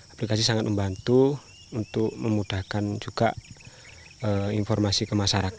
aplikasi sangat membantu untuk memudahkan juga informasi kemas kaki